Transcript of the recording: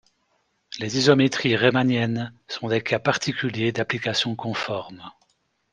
Les isométries riemanniennes sont des cas particuliers d'applications conformes.